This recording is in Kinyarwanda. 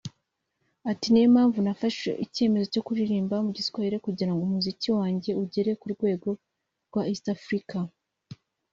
Ati “Niyo mpamvu nafashe icyemezo cyo kuririmba mu Giswahili kugirango umuziki wanyje ugere ku rwego rwa East Africa